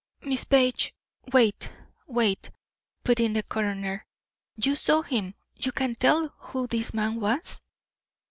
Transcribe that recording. "Miss Page, wait, wait," put in the coroner. "You saw him; you can tell who this man was?"